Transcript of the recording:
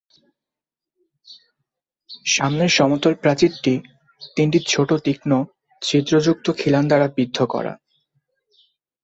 সামনের সমতল প্রাচীরটি তিনটি ছোট তীক্ষ্ণ ছিদ্রযুক্ত খিলান দ্বারা বিদ্ধ করা।